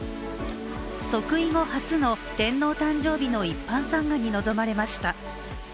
即位後初の天皇誕生日の一般参賀に臨まれました。